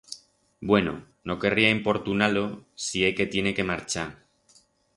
Bueno, no querría importunar-lo si é que tiene que marchar.